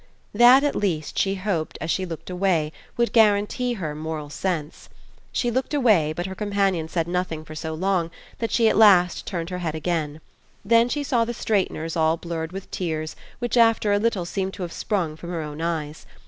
That at least, she hoped as she looked away, would guarantee her moral sense. She looked away, but her companion said nothing for so long that she at last turned her head again. Then she saw the straighteners all blurred with tears which after a little seemed to have sprung from her own eyes.